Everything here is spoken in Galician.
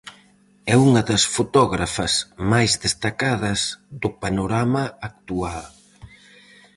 É unha das fotógrafas máis destacadas do panorama actual.